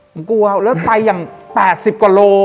ผมกลัวแล้วไปอย่าง๘๐กว่าโล